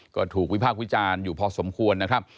ก็ถูกวิพากษ์วิจารณ์อยู่พอสมควรนะครับ